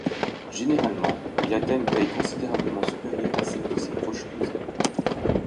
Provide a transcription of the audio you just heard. Généralement, il atteint une taille considérablement supérieure à celle de ses proches cousins.